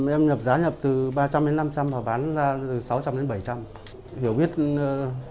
em nhập giá nhập từ ba trăm linh năm trăm linh và bán ra từ sáu trăm linh bảy trăm linh